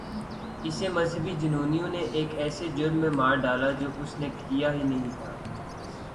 اسے مذہبی جنونیوں نے ایک ایسے جرم میں مار ڈالا جو اس نے کیا ہی نہیں تھا۔